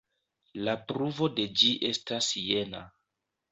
La pruvo de ĝi estas jena.